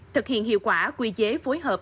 thực hiện hiệu quả quy chế phối hợp